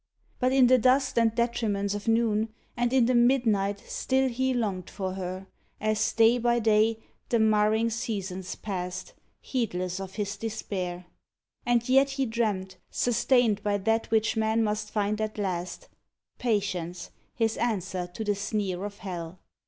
But in the dust and detriments of noon. And in the midnight, still he longed for her, As, day by day, the marring seasons passed, Heedless of his despair. And yet he dreamt, Sustained by that which man must find at last — Patience, his answer to the sneer of Hell.